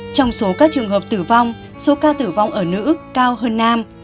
trong số các trường hợp tử vong số ca tử vong ở nữ cao hơn nam